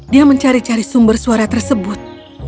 dia mencari cari sumber suara tersebut